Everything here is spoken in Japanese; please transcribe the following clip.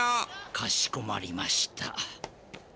かしこまりました。